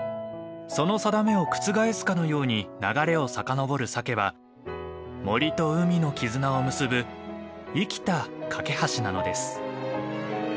その定めを覆すかのように流れを遡るサケは森と海の絆を結ぶ生きた懸け橋なのです。